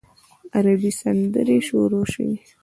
عربي سندرې شروع شوې.